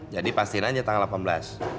jadi pastiin aja tanggal delapan belas